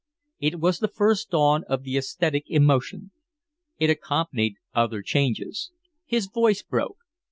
It was the first dawn of the aesthetic emotion. It accompanied other changes. His voice broke.